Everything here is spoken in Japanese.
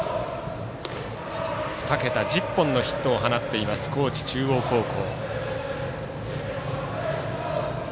２桁１０本のヒットを放っている高知中央高校。